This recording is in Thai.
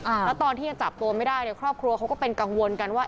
แล้วตอนที่ยังจับตัวไม่ได้เนี่ยครอบครัวเขาก็เป็นกังวลกันว่า